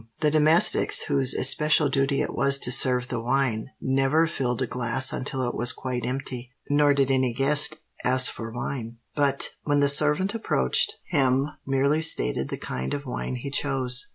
The domestics whose especial duty it was to serve the wine, never filled a glass until it was quite empty; nor did any guest ask for wine, but, when the servant approached him, merely stated the kind of wine he chose.